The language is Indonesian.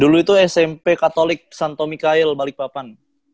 dulu itu smp katolik santo mikael balikpapan